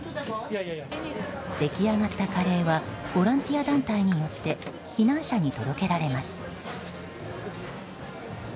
出来上がったカレーはボランティア団体によって避難者に届けられます。